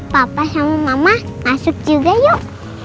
papa sama mama masuk juga yuk